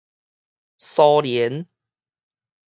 蘇聯